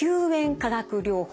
化学療法。